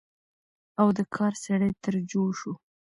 او د کار سړى تر جوړ شو،